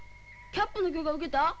キャップの許可受けた？